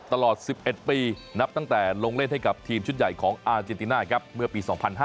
ตลอด๑๑ปีนับตั้งแต่ลงเล่นให้กับทีมชุดใหญ่ของอาเจนติน่าครับเมื่อปี๒๕๕๙